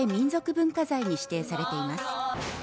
文化財に指定されています